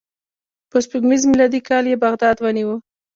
په سپوږمیز میلادي کال یې بغداد ونیو.